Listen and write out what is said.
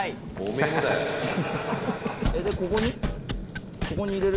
ここに？